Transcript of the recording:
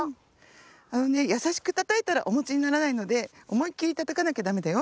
あのねやさしくたたいたらおもちにならないのでおもいっきりたたかなきゃダメだよ。